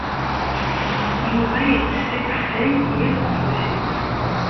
Yuba yettess akeffay yal taṣebḥit.